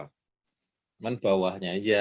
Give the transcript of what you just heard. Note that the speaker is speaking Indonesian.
cuman bawahnya aja